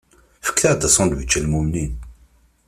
Fket-aɣ-d asandwič a lmumnin!